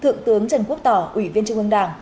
thượng tướng trần quốc tỏ ủy viên trung ương đảng